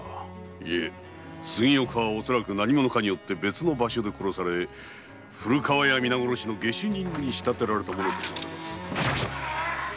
いえ杉岡は何者かによって別の場所で殺され古河屋皆殺しの下手人に仕立てられたものと思われます。